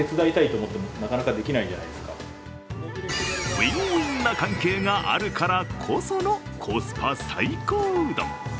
ウィン・ウィンな関係があるからこそのコスパ最高うどん。